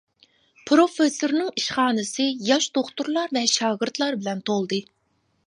پىروفېسسورنىڭ ئىشخانىسى ياش دوختۇرلار ۋە شاگىرتلار بىلەن تولدى.